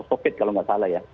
covid kalau nggak salah ya